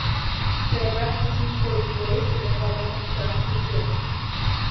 Сара абраҵәҟьа сынхоит, лареи сареи ҳуадақәа аҭӡамц рыбжьоуп.